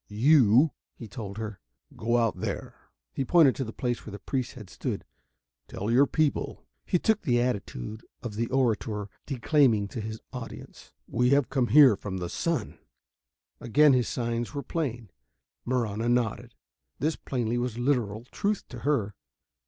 "You," he told her, "go out there." He pointed to the place where the priests had stood. "Tell your people" he took the attitude of the orator declaiming to his audience "we have come here from the sun." Again his signs were plain. Marahna nodded. This plainly was literal truth to her.